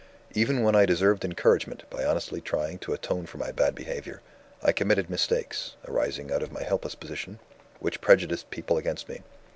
"Even when I deserved encouragement by honestly trying to atone for my bad behavior, I committed mistakes (arising out of my helpless position) which prejudiced people against me.